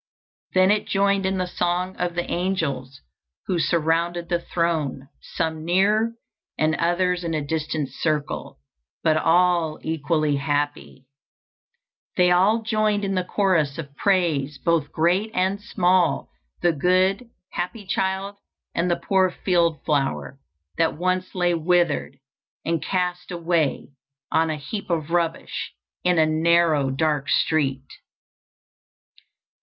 Then it joined in the song of the angels, who surrounded the throne, some near, and others in a distant circle, but all equally happy. They all joined in the chorus of praise, both great and small, the good, happy child, and the poor field flower, that once lay withered and cast away on a heap of rubbish in a narrow, dark street.